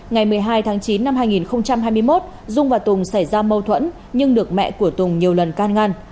ngày một mươi hai tháng chín năm hai nghìn hai mươi một dung và tùng xảy ra mâu thuẫn nhưng được mẹ của tùng nhiều lần can ngăn